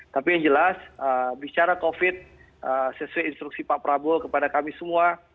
tapi yang jelas bicara covid sesuai instruksi pak prabowo kepada kami semua